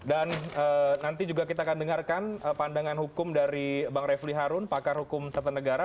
dan nanti juga kita akan dengarkan pandangan hukum dari bang refli harun pakar hukum tertentu negara